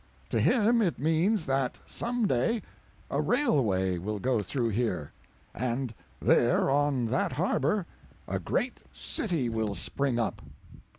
To him it means that some day a railway will go through here, and there on that harbor a great city will spring up.